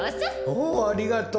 おおありがとう。